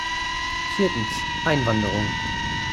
Viertens Einwanderung.